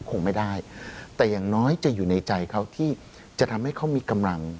คงไม่ได้แต่อย่างน้อยจะอยู่ในใจเขาที่จะทำให้เขามีกำลัง